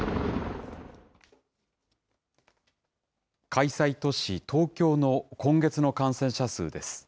開催都市、東京の今月の感染者数です。